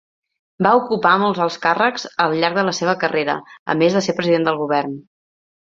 Va ocupar molts altres càrrecs al llarg de la seva carrera, a més de ser president del govern.